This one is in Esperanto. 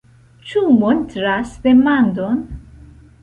Ĉu montras demandon.